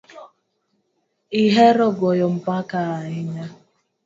Ihero goyo mbaka ahinya